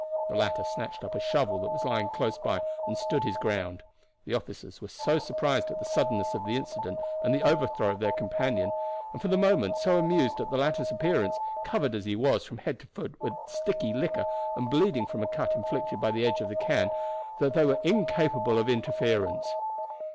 The latter snatched up a shovel that was lying close by and stood his ground. The officers were so surprised at the suddenness of the incident and the overthrow of their companion, and for the moment so amused at the latter's appearance, covered as he was from head to foot with the sticky liquor and bleeding from a cut inflicted by the edge of the can, that they were incapable of interference.